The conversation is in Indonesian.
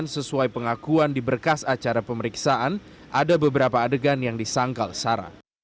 sesuai pengakuan di berkas acara pemeriksaan ada beberapa adegan yang disangkal sarah